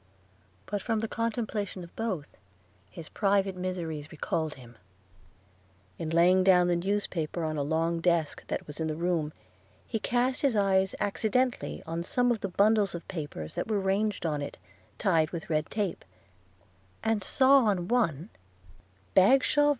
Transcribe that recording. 10 But from the contemplation of both, his private miseries recalled him – in laying down the newspaper on a long desk that was in the room, he cast his eyes accidentally on some of the bundles of papers that were ranged on it, tied with red tape, and saw on one – Bagshaw v.